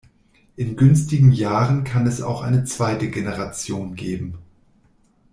In günstigen Jahren kann es auch eine zweite Generation geben.